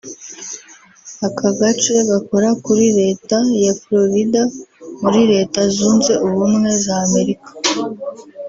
Aka gace gakora kuri leta ya Florida muri leta zunze ubumwe z’ Amerika